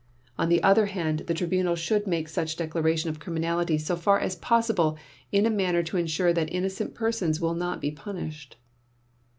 On the other hand, the Tribunal should make such declaration of criminality so far as possible in a manner to insure that innocent persons will not be punished.